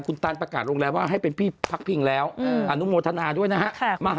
คุณตันประกาศโรงแรมว่าให้เป็นที่พักพิงแล้วอนุโมทนาด้วยนะฮะ